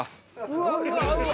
うわうわうわ！